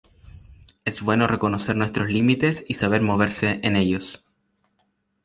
Es bueno reconocer nuestros límites y saber moverse en ellos.